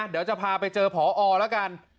เดี๋ยวจะพาไปเจอผอแล้วกัน